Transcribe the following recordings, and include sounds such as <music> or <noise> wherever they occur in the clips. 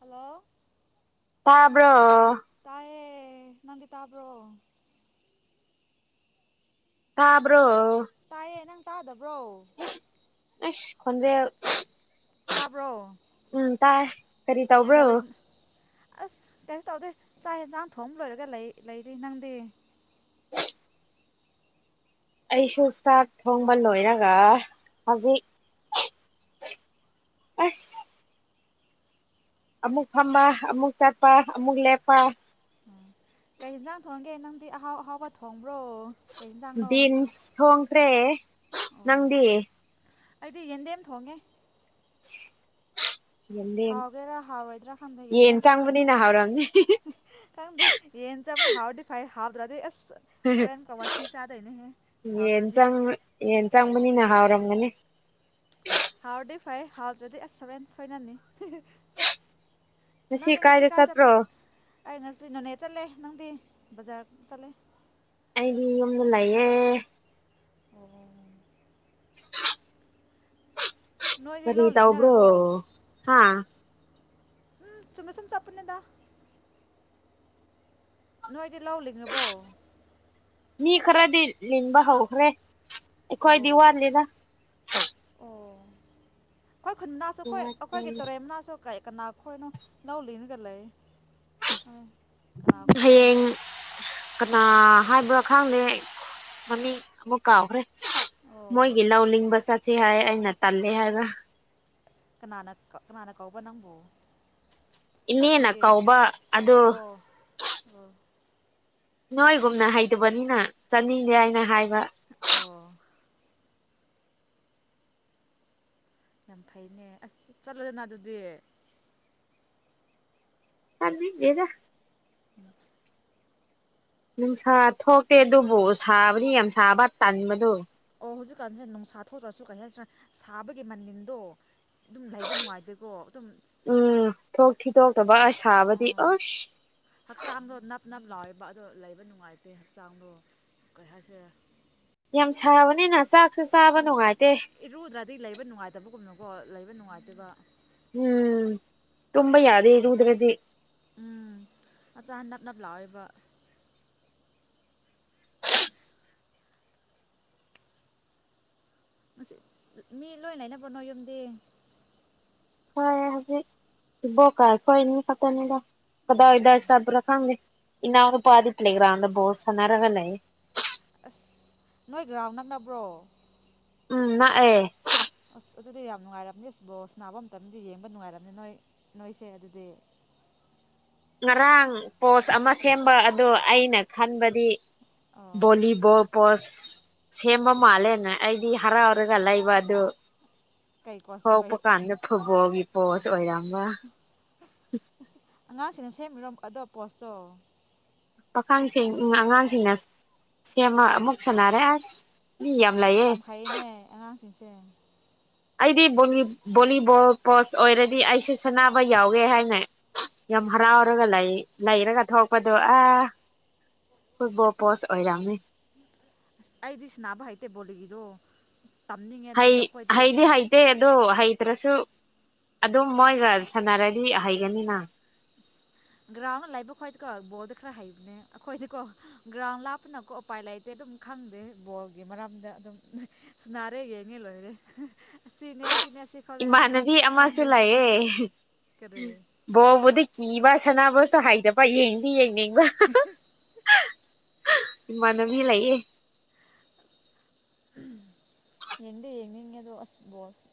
hello ꯇꯥꯕ꯭ꯔꯣ ꯇꯥꯏꯦ ꯅꯗꯤ ꯇꯥ ꯄꯨ꯭ꯔꯣ ꯍꯥꯕ꯭ꯔꯣ ꯇꯥꯏꯦꯅ ꯇꯥꯗꯕ ꯑ ꯈꯟꯗꯦ ꯇꯥꯕ꯭ꯔꯣ ꯎꯝ ꯇꯥꯏ ꯀꯔꯤ ꯇꯧꯕ꯭ꯔꯣ ꯀꯩꯗꯧꯔꯤ ꯑꯁ ꯀꯩꯁꯨ ꯇꯧꯗꯦ ꯆꯥꯛ ꯌꯦꯟꯁꯥꯡ ꯊꯣꯡꯑꯝ ꯂꯣꯏꯔꯒ ꯂꯩꯔꯤ ꯅꯪꯗꯤ <unintelligible> ꯑꯩꯁꯨ ꯆꯥꯛ ꯊꯣꯡꯕ ꯂꯣꯏꯔꯒ ꯍꯧꯖꯤꯛ ꯑꯁ ꯑꯃꯨꯛ ꯐꯝꯕ ꯑꯃꯨꯛ ꯆꯠꯄ ꯑꯃꯨꯛ ꯂꯦꯞꯄ ꯀꯩ ꯌꯦꯟꯖꯥꯡ ꯊꯣꯡꯒꯦ ꯅꯪꯗꯤ ꯑꯍꯥꯎ ꯑꯍꯥꯎꯕ ꯊꯣꯡꯕ ꯕꯤꯝꯁ ꯊꯣꯡ ꯈ꯭ꯔꯦ ꯑꯣ ꯅꯪꯗꯤ ꯑꯩꯗꯤ ꯌꯦꯗꯦꯝ ꯊꯣꯡꯉꯦ <unintelligible> ꯍꯥꯎꯒꯦꯔ ꯍꯥꯎ ꯑꯣꯏꯗ꯭ꯔꯥ ꯌꯦꯟ ꯈꯟꯗꯒꯦꯣ ꯆꯪꯕꯅꯤꯅ ꯍꯥꯎꯔꯝꯅꯤ ꯈꯪꯗꯦ ꯌꯦꯟ ꯆꯅꯤ ꯍꯥꯎ ꯐꯥꯏ ꯍꯥꯕꯗ꯭ꯔꯥꯗ ꯑꯁ ꯍꯣꯔꯦꯟ ꯀ ꯋꯥꯊꯤ ꯆꯥꯗꯣꯏꯅꯦꯍꯦ ꯌꯦꯟ ꯍꯥꯎꯇ꯭ꯔꯗꯤ ꯆꯪ ꯌꯦꯟ ꯆꯪꯕꯅꯤꯅ ꯍꯥꯎꯔꯝ ꯃꯅꯦ ꯍꯥꯎꯗꯤ ꯐꯩ ꯍꯥꯎꯗ꯭ꯔꯗꯤ ꯑꯁ ꯁꯕꯦꯟ ꯁꯣꯏꯅꯅꯤ ꯉꯁꯤ ꯅꯪ ꯌꯦꯉꯁꯤ ꯀꯥꯏꯗ ꯀꯥꯏ ꯆꯠꯄ꯭ꯔꯣ ꯆꯄꯡꯁꯤ ꯅꯅ ꯆꯠꯂꯦ ꯅꯪꯗꯤ ꯕꯖꯥꯔ ꯆꯠꯂꯦ ꯑꯩꯗꯤ ꯌꯨꯝꯗ ꯂꯩꯌꯦ ꯑꯣ ꯑ ꯅꯣꯏꯗꯤ ꯐꯔꯤ ꯂꯧ ꯇ ꯑꯣꯕ꯭ꯔꯣ ꯂꯤꯡꯅꯔꯕꯣ ꯍꯥ ꯎꯝ ꯁꯨꯝ ꯁꯨꯝ ꯆꯥꯄꯅꯗ ꯅꯣꯏꯗꯤ ꯂꯧꯜꯂꯤꯅꯦꯕꯣ ꯃꯤ ꯈꯔꯗꯤ ꯂꯤꯟꯕ ꯍꯧꯈ꯭ꯔꯦ ꯑꯣ ꯀꯣꯏꯗꯤ ꯋꯥꯔꯂꯤꯗ ꯑꯣ ꯑꯩꯈꯣꯏ ꯈꯨꯟꯟꯅꯁꯨ ꯑꯩꯈꯣꯏ ꯑꯩꯈꯣꯏꯒꯤ ꯇꯧꯔꯦꯝꯅꯥꯁꯨ ꯀꯩ ꯀꯅꯥꯈꯣ ꯏꯅꯣ ꯂꯧꯂꯤꯅ ꯂ ꯃ ꯀ ꯑꯈꯣꯏꯗ ꯍꯌꯦꯡ ꯀꯅꯥ ꯍꯥꯏꯕ꯭ꯔꯥ ꯈꯪꯗꯦ ꯃꯃꯤ ꯑꯃꯨꯛ ꯀꯥꯎꯈ꯭ꯔꯦ ꯑꯣ ꯃꯣꯏꯒꯂ ꯎꯂꯤꯕꯁꯥ ꯁꯤ ꯍꯥꯏ ꯑꯩꯅ ꯇꯜꯂꯦ ꯍꯥꯏꯕ ꯀꯅꯥꯅ ꯀꯅꯥꯅ ꯀꯧꯕ ꯅꯪꯕꯨ ꯑꯩꯈꯣꯏ ꯏꯅꯦꯅ ꯈꯨꯟꯒꯤ ꯀꯧꯕ ꯑꯗꯨ ꯑꯣ ꯑꯣ ꯅꯣꯏꯒꯨꯝꯅ ꯍꯩꯇꯕꯅꯤꯅ ꯆꯠꯅꯤꯡꯗꯦ ꯍꯥꯏꯅ ꯍꯥꯏꯕ ꯑꯣ ꯌꯥꯝ ꯐꯩꯅꯦ ꯑꯁ ꯆꯠꯂꯣꯗꯅ ꯑꯗꯨꯗꯤ ꯇꯥꯕꯤꯗꯦꯗ ꯅꯨꯡꯁꯥ ꯊꯣꯛꯇꯦ ꯑꯗꯨꯕꯨ ꯁꯥꯕꯗꯤ ꯌꯥꯝ ꯁꯥꯕ ꯇꯟꯕꯗꯣ ꯑꯣ ꯍꯧꯖꯤꯛꯀꯥꯟꯖꯦ ꯅꯨꯡꯁꯥ ꯊꯣꯛꯇ꯭ꯔꯁꯨ ꯀꯩ ꯍꯥꯏꯁꯤꯔ ꯁꯥꯕꯒꯤ ꯃꯅꯤꯟꯗꯣ ꯑꯗꯨꯝ ꯂꯩꯕ ꯅꯨꯡꯉꯥꯏꯇꯦꯀꯣ ꯑꯗꯨꯝ ꯎꯝ ꯊꯣꯛ ꯊꯤꯗꯣꯛꯇꯕ ꯑꯁ ꯁꯥꯕꯗꯤ ꯑꯁ ꯍꯛꯆꯥꯡꯗꯣ ꯅꯞ ꯂꯥꯎꯋꯦꯕ ꯑꯗꯣ ꯂꯩꯕ ꯅꯨꯡꯉꯥꯏꯇꯦ ꯍꯛꯆꯥꯡꯗꯣ ꯀꯩ ꯍꯥꯏꯁꯤꯔ ꯌꯥꯝ ꯁꯥꯕꯅꯤꯅ ꯆꯥꯛꯁꯨ ꯆꯥꯕ ꯑꯗꯨꯝ ꯅꯨꯡꯉꯥꯏꯇꯦ ꯀꯣ ꯂꯩꯕ ꯅꯨꯡꯉꯥꯏꯇꯦꯕ ꯎꯝ ꯇꯝꯝꯕ ꯌꯥꯗꯦ ꯏꯔꯨꯗ꯭ꯔꯗꯤ ꯎꯝ ꯑꯆꯥ ꯅꯞ ꯅꯞ ꯂꯥꯎꯋꯦꯕ <unintelligible> ꯉꯁꯤ ꯃꯤ ꯂꯣꯏ ꯂꯩꯅꯕ꯭ꯔꯣ ꯅꯣꯏ ꯌꯨꯝꯗꯤ ꯋꯥꯏꯌꯦ ꯍꯧꯖꯤꯛ ꯏꯕꯣꯛꯀ ꯑꯩꯈꯣꯏ ꯑꯅꯤ ꯈꯛꯇꯅꯤꯗ ꯀꯗꯥꯏ ꯑꯣ ꯀꯗꯥꯏ ꯆꯠꯄ꯭ꯔꯥ ꯈꯪꯗꯦ ꯏꯅꯥꯎ ꯅꯨꯄꯥꯗꯤ ꯄ꯭ꯂꯦꯒ꯭ꯔꯥꯎꯟꯗ ꯕꯣꯜ ꯁꯥꯟꯅꯔꯒ ꯂꯩꯌꯦ ꯑꯁ ꯅꯣꯏ ꯒ꯭ꯔꯥꯎꯟ ꯅꯛꯅꯕ꯭ꯔꯣ ꯎꯝ ꯅꯛꯑꯦ ꯑꯁ ꯑꯗꯨꯗꯤ ꯌꯥꯝ ꯅꯨꯡꯉꯥꯏꯔꯝꯅꯤ ꯑꯁ ꯕꯣꯁ ꯁꯅꯥꯕ ꯃꯇꯝꯗꯤ ꯌꯦꯡꯕ ꯅꯨꯡꯉꯥꯏꯔꯝꯅꯤ ꯅꯣꯏ ꯅꯣꯏꯁꯦ ꯑꯗꯨꯗꯤ ꯉꯔꯥꯡ ꯄꯣꯁ ꯑꯃ ꯁꯦꯝꯕ ꯑꯗꯨ ꯑꯩꯅ ꯈꯟꯕꯗꯤ ꯑꯣ ꯚꯣꯂꯤꯕꯣꯜ ꯄꯣꯁ ꯁꯦꯝꯕ ꯃꯥꯜꯂꯦꯅ ꯑꯩꯗꯤ ꯍꯔꯥꯎꯔꯒ ꯂꯩꯕ ꯑꯗꯨ ꯀꯩ ꯀꯣꯁ ꯊꯣꯔꯛꯄ ꯀꯩ ꯀꯥꯟꯗ ꯐꯨꯠꯕꯣꯜꯒꯤ ꯐꯣꯁ ꯑꯣꯏꯔ ꯕꯥ ꯍꯝ ꯑꯉꯥꯡꯁꯤꯡꯅ ꯁꯦꯝꯃꯤꯔꯣ ꯑꯗꯣ ꯄꯣꯁꯇꯣ ꯄꯥꯈꯪꯁꯤꯡ ꯎꯝ ꯑꯉꯥꯡꯁꯤꯡꯅ ꯁꯦꯝꯃ ꯑꯃꯨꯛ ꯁꯥꯟꯅꯔꯦ ꯑꯁ ꯃꯤ ꯁꯤꯁ ꯂꯩꯌꯦ ꯌꯥꯝ ꯍꯩꯌꯦꯅꯦ ꯑꯉꯥꯡ ꯏꯁꯦꯟ ꯑꯩꯗꯤ ꯕꯣꯂꯤ ꯕꯣꯂꯤꯕꯣꯜ ꯄꯣꯁ ꯑꯣꯏꯔꯗꯤ ꯑꯩꯁꯨ ꯁꯥꯟꯅꯕ ꯌꯥꯎꯒꯦ ꯍꯥꯏꯅ ꯌꯥꯝ ꯍꯔꯥꯎꯔꯒ ꯂꯩ ꯂꯩꯔꯒ ꯊꯣꯛꯄꯗꯣ ꯑꯥ ꯐꯨꯠꯕꯣꯜ ꯄꯣꯁ ꯑꯣꯏꯔꯝꯃꯤ ꯑꯁ ꯑꯩꯗꯤ ꯁꯅꯥꯕ ꯍꯩꯇꯦ ꯕꯣꯜꯂꯤꯒꯤꯗꯣ ꯍꯩ ꯍꯩꯗꯤ ꯍꯩꯇꯦ ꯑꯗꯨꯣ ꯍꯩ ꯅꯠꯇ꯭ꯔꯁꯨ ꯑꯗꯨꯝ ꯃꯣꯏꯒ ꯁꯥꯟꯅꯔꯗꯤ ꯍꯩꯒꯅꯤꯅ ꯒ꯭ꯔꯥꯎꯟꯗ ꯂꯩꯕ ꯈꯣꯏꯗꯤꯀꯣ ꯕꯣꯜꯗꯣ ꯈꯔ ꯍꯩꯕꯅꯦ ꯑꯈꯣꯏꯗꯤꯀꯣ ꯒ꯭ꯔꯥꯎꯟ ꯂꯥꯞꯄꯅꯀꯣ ꯎꯄꯥꯏ ꯂꯩꯇꯦ ꯑꯗꯨꯝ ꯈꯪꯗꯦ ꯕꯣꯜꯒꯤ ꯃꯔꯝꯗ ꯑꯗꯨꯝ ꯁꯟꯅꯔꯦ ꯌꯦꯡꯉꯦ ꯂꯣꯏꯔꯦ ꯍꯍ ꯑꯁꯤꯅꯦ ꯑꯁꯤꯅꯦ ꯑꯁꯤ ꯈꯣꯠꯂꯦ ꯍꯥꯏꯕꯗꯣ ꯏꯃꯥꯟꯅꯕꯤ ꯑꯃꯁꯨ ꯈꯪꯗꯦ ꯂꯩꯌꯦ ꯍ ꯍ ꯀꯔꯤ ꯕꯣꯜꯕꯨꯗꯤ ꯀꯤꯕ ꯁꯥꯟꯅꯕ ꯇ ꯍꯥꯏꯗꯕ ꯌꯦꯡꯗꯤ ꯌꯦꯡꯅꯤꯡ ꯕ ꯍꯥ ꯍꯥ ꯍ ꯍꯍ ꯏꯃꯥꯟꯅꯕꯤ ꯂꯩꯌꯦ ꯎꯝ ꯌꯦꯡꯗꯤ ꯌꯦꯡꯅꯤꯡꯉꯦ ꯑꯗꯣ ꯑꯁ ꯕꯣꯜꯁ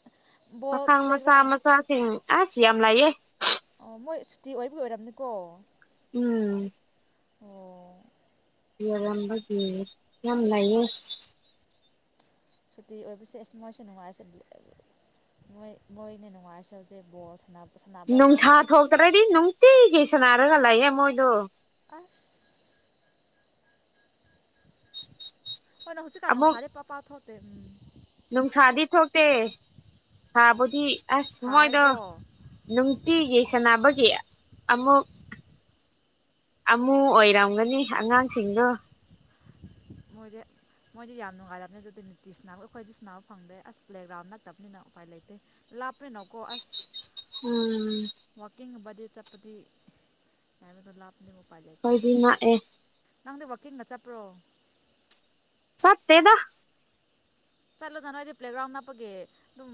ꯃꯈꯥꯡ ꯃꯆꯥ ꯃꯆꯥꯁꯤꯡ ꯑꯁ ꯁꯤ ꯌꯥꯝ ꯑꯃ ꯂꯌꯦ ꯑꯣ ꯃꯣꯏ ꯁꯨꯇꯤ ꯑꯣꯏꯕ ꯑꯣꯏꯔꯕꯝꯅꯤꯀꯣ ꯎꯝ ꯑꯣ ꯌꯔꯝꯕꯒꯤ ꯌꯥꯝ ꯂꯩꯌꯦ ꯁꯨꯇꯤ ꯑꯣꯏꯕꯁꯦ ꯑꯁ ꯃꯣꯏꯁꯨꯦ ꯅꯨꯡꯉꯥꯏꯔꯁꯦꯣꯏ ꯃꯣꯏꯅ ꯅꯨꯡꯉꯥꯏꯔꯁꯦ ꯍꯧꯖꯤꯦ ꯕꯣꯜ ꯁꯅꯕ ꯅꯨꯡꯁꯥ ꯊꯣꯛꯇ꯭ꯔꯗꯤ ꯅꯨꯡꯇꯤꯒꯤ ꯁꯅꯥꯔꯒꯜ ꯂꯩꯌꯦꯦ ꯃꯣꯏꯗꯣ ꯑꯁ ꯑꯣꯅ ꯍꯧꯖꯤ ꯀ ꯀꯥꯡꯣ ꯑꯃꯨꯛ ꯁꯔ ꯄꯄꯥ ꯎꯣ ꯇ ꯅꯨꯡꯁꯥꯗꯤ ꯊꯣꯛꯇꯦ ꯁꯥꯕꯨꯗꯤ ꯑꯁ ꯃꯣꯏꯗꯣ ꯁꯥꯏꯀꯣ ꯅꯨꯡꯇꯤꯒꯤ ꯁꯥꯟꯅꯕꯒꯤ ꯑꯃꯨꯛ ꯑꯃꯨ ꯑꯣꯏꯔꯝꯒꯅꯤ ꯑꯉꯥꯡꯁꯤꯡꯗꯣ ꯃꯣꯏꯗꯤ ꯃꯣꯏꯗꯤ ꯌꯥꯝ ꯅꯨꯡꯉꯥꯏꯔꯕꯅꯤ ꯑꯗꯨꯗꯤ ꯅꯤꯇꯤꯤꯁꯅꯥꯕ ꯑꯩꯈꯣꯏꯗꯤ ꯁꯥꯟꯅꯕ ꯐꯪꯗꯦ ꯑꯁ ꯄ꯭ꯂꯦꯒ꯭ꯔꯥꯎꯟ ꯅꯠꯇꯕꯅꯤꯅ ꯎꯄꯥꯏ ꯂꯩꯇꯦ ꯂꯥꯞ ꯅꯣꯀ ꯑꯁ ꯎꯝ ꯋꯥꯀꯤꯡꯕꯗ ꯑ ꯆꯠꯄꯗꯤ ꯍꯥꯏꯕꯗꯣ ꯂꯥꯞ ꯑꯗꯨ ꯃꯣꯄꯥꯥꯏ ꯂꯩꯇ ꯑꯩꯈꯣꯏꯗꯤ ꯅꯛꯑꯦ ꯅꯪꯗꯤ ꯋꯥꯛꯀꯤꯡꯗ ꯆꯠꯄ꯭ꯔꯣ ꯁꯠꯇꯇꯩꯗ ꯆꯠꯂꯨꯅ ꯅꯣꯏꯗꯤ ꯄ꯭ꯂꯦꯒ꯭ꯔꯥꯎꯟ ꯅꯞꯄꯒꯤ ꯑꯗꯨꯝ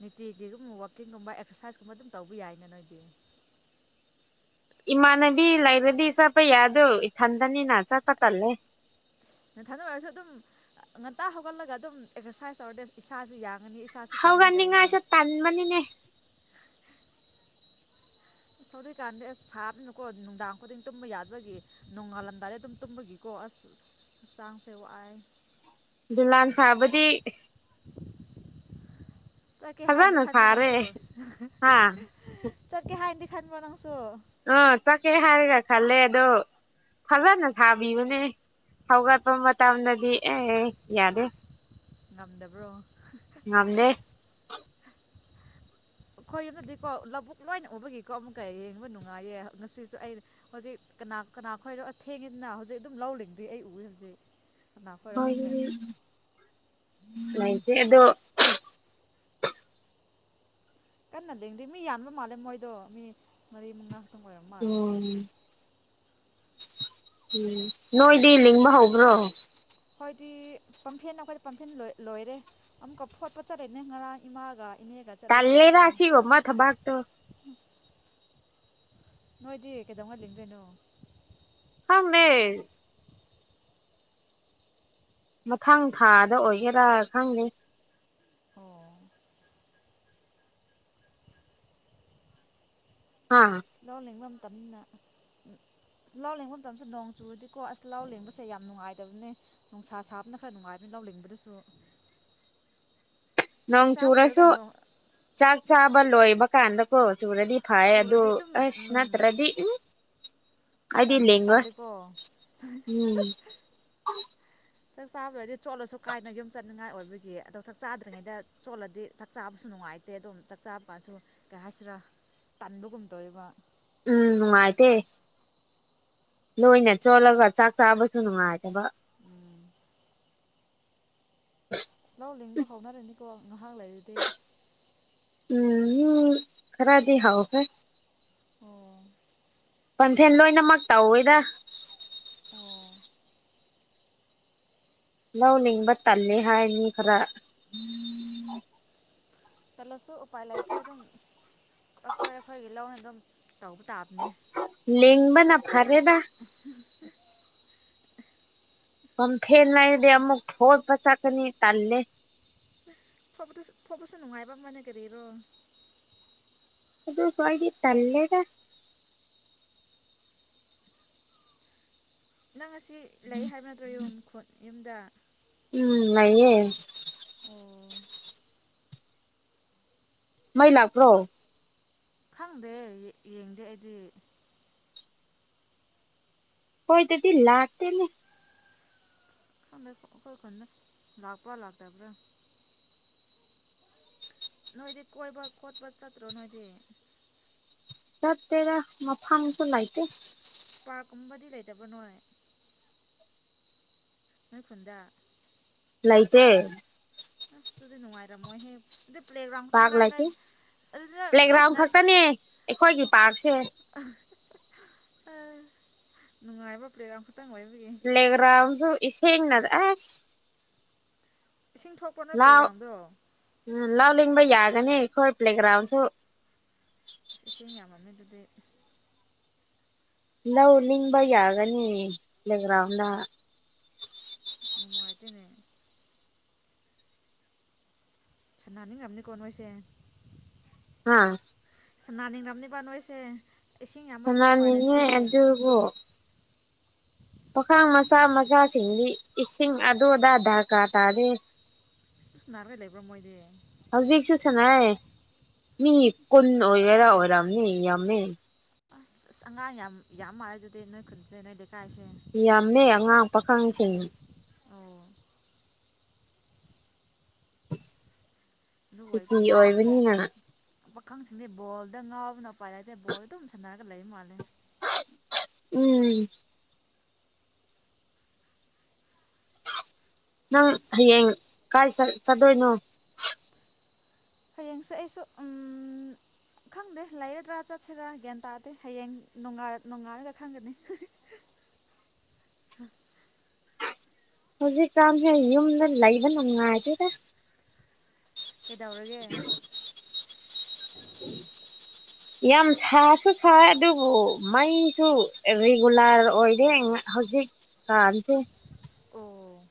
ꯅꯤꯇꯤꯒꯤꯒꯨꯝꯕ ꯋꯥꯛꯀꯤꯡꯒꯨꯝꯕ ꯑꯦꯛꯁꯔꯁꯥꯏꯁꯀꯨꯝꯕ ꯑꯗꯨꯝ ꯇꯧꯕ ꯌꯥꯏꯅꯦ ꯅꯣꯏꯗꯤ ꯏꯃꯥꯟꯅꯕꯤ ꯂꯩꯔꯗꯤ ꯆꯠꯄ ꯌꯥꯗꯣ ꯏꯊꯟꯇꯅꯤꯅ ꯆꯠꯄ ꯇꯜꯂꯦ ꯉꯟꯊꯟꯗ ꯑꯣꯏꯔꯁꯨ ꯑꯗꯨꯝ ꯉꯟꯇꯥ ꯍꯧꯒꯠꯂꯒ ꯑꯗꯨꯝ ꯑꯦꯛꯁꯔꯁꯥꯏꯁ ꯇꯧꯔꯗꯤ ꯏꯁꯥꯁꯨ ꯌꯥ ꯍꯒ ꯅꯤꯡ ꯉꯥꯏꯁ ꯇꯟꯃꯅꯤꯅꯦ ꯑꯁ ꯑꯗꯨꯏ ꯀꯥꯟꯗꯤ ꯑꯁ ꯁꯥꯕꯅꯤꯅꯨꯀꯣ ꯅꯨꯡꯗꯥꯡ ꯈꯨꯗꯤꯡ ꯇꯨꯝꯕ ꯌꯥꯗꯕꯒꯤ ꯅꯣꯡꯉꯥꯜꯂꯝꯗꯥꯏ ꯑꯗꯨꯝ ꯇꯨꯝꯕꯒꯤꯀꯣ ꯑꯁ ꯆꯥꯡꯁꯦ ꯋꯥꯏ ꯗꯨꯂꯥꯟ ꯁꯥꯕꯗꯤ ꯆꯠꯀꯤꯦ ꯍꯥꯏꯥꯏꯗꯤ ꯐꯖꯅ ꯁꯥꯔꯦ ꯈꯅꯄꯅꯥꯎꯁꯨ ꯍꯥ ꯆꯠꯀꯤꯦ ꯍꯥꯏꯗꯤ ꯐꯠꯕꯔꯣ ꯑ ꯆꯈꯦ ꯍꯔꯒꯦ ꯈꯜꯂꯦ ꯑꯗꯣ ꯐꯖꯅ ꯁꯥꯕꯤꯕꯅꯦ ꯍꯧꯒꯠꯄ ꯃꯇꯝꯗꯗꯤ ꯑꯦ ꯑꯦ ꯌꯥꯗꯦ ꯉꯝꯗꯕ꯭ꯔꯣ ꯉꯗꯦ ꯑꯩꯈꯣꯏ ꯌꯨꯝꯗꯗꯤꯀꯣ ꯂꯧꯕꯨꯛ ꯂꯣꯏꯅ ꯎꯕꯒꯤꯀꯣ ꯑꯃꯨꯛꯀ ꯌꯦꯡꯕ ꯅꯨꯡꯉꯥꯏꯌꯦ ꯉꯁꯤꯁꯨ ꯑ ꯍꯧꯖꯤꯛ ꯀꯅꯥ ꯀꯅꯥ ꯈꯣꯏꯔꯣ ꯊꯦꯡꯉꯤꯗꯅ ꯍꯧꯖꯤꯛ ꯑꯗꯨꯝ ꯂꯧꯔꯤꯡꯗꯨ ꯑꯩ ꯎꯏ ꯍꯧꯖꯤꯛ ꯅꯥꯈꯔꯣ ꯊꯪꯗ ꯉꯥꯏꯗꯤ ꯑꯗꯣ ꯀꯟꯅ ꯂꯦꯡꯗꯦ ꯃꯤ ꯌꯥꯟꯕ ꯃꯥꯜꯂꯦ ꯃꯣꯏꯗꯣ ꯃꯤ ꯃꯔꯤ ꯃꯉꯥ ꯈꯛꯇꯪ ꯑꯣꯏꯔꯝ ꯃꯥꯜꯂꯦ ꯎꯝ ꯎꯝ ꯅꯣꯏꯗꯤ ꯂꯤꯡꯕ ꯍꯧꯕ꯭ꯔꯣ ꯍꯣꯏꯗꯤ ꯄꯝꯐꯦꯟ ꯑꯩꯈꯣꯏꯗ ꯄꯝꯐꯦꯟ ꯂꯣꯏꯔꯦ ꯑꯃꯨꯛꯀ ꯐꯣꯠꯄꯣ ꯆꯠꯂꯦꯅꯦ ꯉꯔꯥꯡ ꯏꯃꯥꯒ ꯏꯅꯦꯒ ꯆꯠꯂꯦ ꯐꯣꯠꯄꯗꯣ ꯀꯜꯂꯔꯁꯤꯒꯃ ꯊꯕꯥꯛꯇꯣ ꯅꯣꯏꯗꯤ ꯀꯩꯗꯧꯍꯜꯂꯤ ꯀꯩꯗꯣꯏꯅꯣ ꯍꯪꯗꯦ ꯃꯊꯪ ꯊꯥꯗ ꯑꯣꯏꯒꯦꯔꯥ ꯈꯪꯗꯦ ꯑꯣ ꯍꯥ ꯂꯎꯅꯤꯡ ꯃ ꯇꯅ ꯂꯥꯎ ꯂꯦꯡꯕ ꯃꯇꯝꯗ ꯅꯣꯡ ꯆꯨꯨꯔꯗꯤꯀꯣ ꯑꯁ ꯂꯥꯎ ꯂꯦꯡꯕꯁꯦ ꯌꯥꯝ ꯅꯨꯡꯉꯥꯏꯇꯕꯅꯦ ꯅꯨꯡꯁꯥ ꯁꯥꯕꯅ ꯈꯔ ꯅꯨꯡꯉꯥꯏꯕꯅꯤ ꯂ ꯂꯦꯡꯕꯗꯁꯨ ꯅꯣꯡ ꯆꯨꯔꯁꯨ ꯆꯥꯛ ꯆꯥꯕ ꯂꯣꯏꯕ ꯀꯗ ꯀꯣ ꯆꯨꯨꯔꯗꯤ ꯐꯥꯏ ꯑꯗꯨ ꯆꯨꯔꯗꯤ ꯑꯗꯨꯝ ꯑꯁꯅ ꯎꯝ ꯇ꯭ꯔꯗꯤ ꯎꯝ ꯇꯟ ꯑꯗꯨꯗꯤ ꯂꯩ ꯏꯉꯣ ꯇꯜꯂꯦꯀꯣ ꯎꯝ ꯆꯥꯛ ꯆꯥꯕꯗꯗꯤ ꯆꯣꯠꯂꯁꯨ ꯀꯥꯏꯅ ꯌꯨꯝ ꯆꯠꯅꯤꯉꯥꯏ ꯑꯣꯏꯕꯒꯤ ꯑꯗꯣ ꯆꯥꯛ ꯆꯥꯗ꯭ꯔꯤꯉꯩꯗ ꯆꯣꯠꯂꯗꯤ ꯆꯥꯛ ꯆꯥꯕꯁꯨ ꯅꯨꯡꯉꯥꯏꯇꯦ ꯑꯗꯨꯝ ꯆꯥꯛ ꯆꯥꯕ ꯀꯥꯟꯁꯨ ꯀꯩ ꯍꯥꯏꯁꯤꯔꯥ ꯇꯟꯕꯒꯨꯝ ꯇꯧꯔꯤꯕ ꯎꯝ ꯅꯨꯉꯥꯏꯇꯦ ꯂꯣꯏꯅ ꯆꯣꯠꯂꯒ ꯆꯥꯛ ꯆꯥꯕꯁꯨ ꯅꯨꯡꯉꯥꯏꯇꯕ ꯎꯝ ꯂꯧ ꯂꯤꯡꯕ ꯍꯧꯅꯔꯅꯤꯀꯣ ꯉꯥꯏꯍꯥꯛ ꯂꯩꯔꯗꯤ ꯎꯝ ꯎꯝ ꯈꯔꯗꯤ ꯍꯥꯎ ꯐꯦ ꯑꯣ ꯄꯣꯟꯊꯦꯜ ꯂꯣꯏꯅꯃꯛ ꯇꯧꯋꯦꯗ ꯑꯣ ꯂꯧꯅꯤꯡꯕ ꯇꯜꯂꯦ ꯍꯥꯏꯅꯤ ꯈꯔ ꯆꯜꯂꯁꯨ ꯎꯄꯥꯏ ꯂꯩꯇꯦ ꯑꯗꯨꯝ ꯑꯩꯈꯣꯏ ꯑꯩꯈꯣꯏꯒꯤ ꯂꯧꯅ ꯑꯗꯨꯝ ꯇꯧꯕ ꯇꯥꯕꯅꯦ ꯂꯦꯡꯕꯅ ꯐꯔꯦꯗ <inaudible> ꯑꯣ <unintelligible> ꯍꯦꯅꯗꯤ ꯑꯃꯨꯛ ꯐꯣꯠ ꯆꯀꯅꯤ ꯇꯜꯂꯦ ꯊ ꯊꯞꯄꯁꯨ ꯅꯅꯨꯡꯉꯥꯏꯕ ꯃꯅꯒꯔꯔꯣ ꯑꯗꯨꯗ ꯐꯏꯒꯤ ꯇꯂꯦꯗ ꯅꯪ ꯑꯁꯤ ꯂꯩ ꯍꯥꯏꯕ ꯅꯠꯇ꯭ꯔꯣ ꯌꯨꯝ ꯈꯨꯠ ꯌꯗ ꯎꯝ ꯅꯌꯦ ꯑꯣ ꯃꯩ ꯂꯥꯛꯄ꯭ꯔꯣ ꯈꯪꯗꯦ ꯌꯦꯡꯗꯦ ꯑꯩꯗꯤ ꯍꯣꯏ ꯇꯗꯤ ꯂꯥꯛꯇꯅꯦ ꯈꯃꯦ ꯑꯩꯣꯏ ꯈꯣꯟꯅ ꯂꯥꯛꯄ ꯂꯥꯛ ꯇ ꯄꯨꯔ ꯅꯣꯏꯗꯤ ꯀꯣꯏꯕ ꯈꯣꯠꯄ ꯆꯠꯇ꯭ꯔꯣ ꯅꯣꯏꯗꯤ ꯆꯔ ꯃ ꯐ ꯃꯁꯨ ꯂꯥꯏꯇꯦ ꯄꯥꯔ ꯀꯨꯝꯕꯗꯤ ꯂꯩꯇꯕ ꯅꯣꯏ ꯅꯣꯏ ꯈꯨꯨꯟꯗ ꯂꯥꯏꯇ ꯑꯁ ꯑꯗꯨꯗꯤ ꯅꯅꯨꯡꯉꯥꯏꯔ ꯃꯣꯏ ꯍꯦ ꯄꯥꯔꯛ ꯂꯩꯇꯦ ꯑꯗꯨꯗ ꯅꯁ ꯄ꯭ꯂꯦꯒ꯭ꯔꯥꯎꯟ ꯅꯁ ꯈꯛꯇꯅꯦ ꯑꯩꯈꯣꯏꯒꯤ ꯄꯥꯔꯛꯁꯦ ꯅꯨꯡꯉꯥꯏꯕ ꯄ꯭ꯔꯦꯒ꯭ꯔꯝ ꯈꯛꯇꯪ ꯑꯣꯢ ꯂ꯭ꯂꯦꯒ꯭ꯔꯥꯟꯁꯨ ꯏꯁꯤꯡꯅꯗ ꯏꯁꯤꯡ ꯊꯣꯛꯄ ꯅꯣꯢ ꯄ꯭ꯔꯦꯒ꯭ꯔꯥꯟꯗꯣ ꯎ ꯂꯥꯎꯂꯤꯕꯩ ꯌꯥꯒꯅꯤ ꯈꯣꯏ ꯄ꯭ꯂꯦꯒ꯭ꯥꯔꯟ ꯁꯨ ꯑ ꯏꯁꯤꯡ ꯌꯥꯝꯃꯃꯦ ꯑꯗꯨꯗꯤ ꯂꯧ ꯂꯤꯡꯕ ꯌꯥꯒꯅꯤ ꯂꯦꯒ꯭ꯔꯥꯎꯗ ꯅꯨꯡꯉꯥꯏꯇꯦꯅꯦ ꯁꯅꯥꯅꯤꯡꯉꯝꯅꯤꯀꯣ ꯅꯣꯏꯁꯦ ꯑꯥ ꯁꯅꯥ ꯅꯤꯡ ꯔꯥꯝ ꯅꯤꯕ ꯅꯣꯏꯁꯦ ꯏꯁꯤꯡ ꯌꯥꯝꯃꯟꯕꯒꯤ ꯎꯄꯥꯏ ꯍꯅꯥꯅꯤꯅꯦ ꯂꯩꯇꯕꯒꯤ ꯑꯦꯗꯨꯕꯨ ꯄꯈꯥꯡ ꯃꯆꯥ ꯃꯆꯥꯁꯤꯡꯗꯤ ꯏꯁꯤꯡ ꯑꯗꯨꯗ ꯗꯔꯀꯥꯔ ꯇꯥꯔꯦ ꯑꯗꯨꯝ ꯁꯥꯟꯅꯔꯒ ꯂꯩꯕ꯭ꯔꯣ ꯃꯣꯏꯗꯤ ꯍꯧꯖꯤꯛꯁꯨꯁꯅꯥ ꯃꯤ ꯀꯨꯟ ꯑꯣꯏꯒꯦꯔꯥ ꯑꯣꯏꯔꯝꯅꯤ ꯌꯥꯝꯃꯦ ꯑꯁ ꯑꯁ ꯑꯉꯥꯡ ꯌꯥꯝ ꯌꯥꯝ ꯃꯥꯜꯂꯦ ꯑꯗꯨꯗꯤ ꯅꯣꯏ ꯈꯨꯟꯖꯩ ꯅꯣꯏ ꯂꯩꯀꯥꯏꯁꯤ ꯌꯥꯝꯅꯦ ꯑꯉꯥꯡ ꯄꯥꯈꯪꯁꯤꯡ ꯑꯣ ꯑꯗꯨ <unintelligible> ꯑꯣꯕꯅꯤꯅ ꯑꯈꯪꯁꯤꯡꯗꯤ ꯕꯣꯜꯗ ꯉꯥꯎꯅ <unintelligible> ꯑꯗꯨꯝ ꯁꯥꯟꯅ ꯂꯩ ꯃꯥꯂꯦ ꯎꯝ ꯅꯪ ꯍꯌꯦꯡ ꯀꯥꯏ ꯆꯠ ꯆꯗꯣꯏꯅꯣ ꯍꯌꯦꯡꯁꯦ ꯑꯩꯁꯨ ꯈꯪꯗꯦ ꯂꯥꯏꯒꯗ꯭ꯔꯥ ꯆꯠꯁꯤꯔꯥ ꯒ꯭ꯌꯥꯟ ꯇꯥꯗꯦ ꯍꯌꯦꯡ ꯅꯣꯡꯒꯥꯜ ꯅꯣꯡꯉꯥꯜꯔꯒ ꯈꯪꯒꯅꯤ ꯍꯧꯖꯤꯛ ꯀꯝꯍꯩ ꯌꯨꯝꯗ ꯂꯩꯕ ꯅꯨꯡꯉꯥꯢꯇꯦꯗ ꯀꯩꯗꯧꯔꯒꯦ ꯌꯥꯝ ꯁꯥꯁꯨ ꯁꯥꯏ ꯑꯗꯨꯕꯨ ꯃꯩꯁꯨ ꯔꯤꯒꯨꯂꯔ ꯑꯣꯏꯔꯦ ꯍꯧꯖꯤꯛ ꯀꯥꯟꯁꯦ ꯑꯣ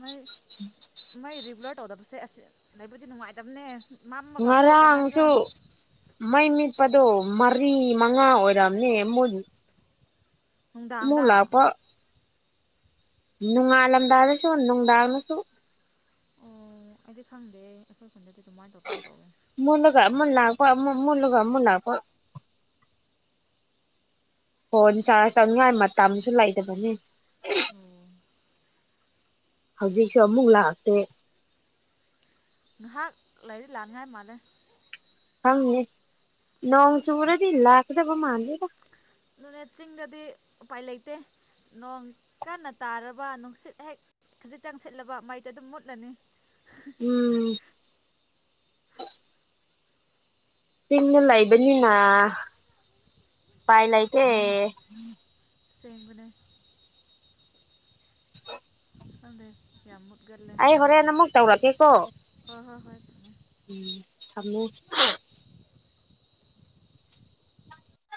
ꯃꯩ ꯃꯩ ꯔꯤꯒꯨꯂꯔ ꯇꯧꯗꯕꯁꯦ ꯑꯁ ꯂꯩꯕꯗꯤ ꯅꯨꯡꯉꯥꯏꯇꯕꯅꯦ ꯃꯝꯃꯒ ꯀꯣ ꯀꯩ ꯍꯥꯏꯁꯤꯔꯥ ꯉꯔꯥꯡꯁꯨ ꯃꯩ ꯃꯤꯠ ꯑꯗꯣ ꯃꯔꯤ ꯃꯉꯥ ꯑꯣꯏꯔꯝꯅꯤ ꯃꯨꯠ ꯅꯨꯗꯥꯡꯗ ꯅꯨꯉꯥꯜ ꯂꯝꯗꯥꯢꯗꯁꯨ ꯅꯨꯡꯗꯥꯡꯗꯁꯨ ꯑꯣ ꯑꯩꯗꯤ ꯈꯪꯗꯦ ꯈꯨꯟꯗꯗꯤ ꯑꯗꯨꯃꯥꯏꯅ ꯇꯧꯕꯒꯨꯝ ꯇꯧꯋꯦ ꯃꯨꯂꯒ ꯑꯃꯠ ꯂꯥꯛꯄ ꯃꯨꯂꯒ ꯑꯃꯨꯛ ꯂꯥꯛꯄ ꯐꯣꯟ ꯆꯥꯔꯖ ꯇꯧꯅꯤꯉꯥꯏ ꯃꯇꯝꯁꯨ ꯂꯩꯇꯕꯅꯤ ꯎꯝ ꯍꯧꯖꯤꯛꯁꯨ ꯑꯃꯨꯛ ꯂꯥꯛꯇꯦ ꯉꯥꯏꯍꯥꯛ ꯂꯥꯏꯔꯤꯛ ꯂꯥꯟꯅꯤꯉꯥꯏ ꯃꯥꯥꯟꯂꯩ ꯅꯣꯡ ꯆꯔꯗꯤ ꯂꯥꯛꯀꯗ ꯃꯥꯟꯗꯦꯗ ꯅꯨꯅꯦꯠ ꯆꯤꯡꯗꯗꯤ ꯎꯄꯥꯏ ꯂꯩꯇꯦ ꯅꯣꯡ ꯀꯟꯅ ꯇꯥꯔꯕ ꯅꯨꯡꯁꯤꯠ ꯍꯦꯛ ꯈꯖꯤꯛꯇꯪ ꯁꯤꯠꯂꯕ ꯃꯩꯇ ꯑꯗꯨꯝ ꯃꯨꯠꯂꯅꯤ ꯎꯝ ꯆꯤꯡꯅ ꯂꯩꯕꯅꯤꯅ ꯄꯥꯏ ꯂꯩꯇꯦ ꯁꯦꯝꯕꯅꯦ ꯑ ꯗꯦ ꯑꯃ ꯒꯗꯦ ꯑꯩ ꯁꯥꯏꯁꯨꯣ ꯍꯣꯔꯦꯟ ꯑꯃꯨꯛ ꯇꯧꯔꯛꯀꯦꯀꯣ ꯍ ꯍꯣꯏ ꯍꯣꯏ ꯊꯝꯃꯦ ꯎꯝ ꯊꯃꯨ